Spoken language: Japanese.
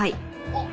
あっ。